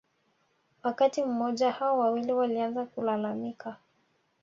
Wakati mmoja hao wawili walianza kulalamika